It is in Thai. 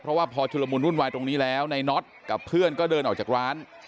เพราะว่าพอชุลมุนวุ่นวายตรงนี้แล้วในน็อตกับเพื่อนก็เดินออกจากร้าน